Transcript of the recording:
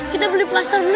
kita beli plaster dulu ya